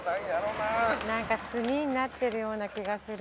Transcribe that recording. なんか済になってるような気がする。